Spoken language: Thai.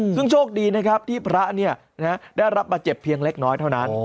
ซึ่งโชคดีนะครับที่พระได้รับบาดเจ็บเพียงเล็กน้อยเท่านั้น